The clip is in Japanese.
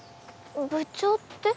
部長って？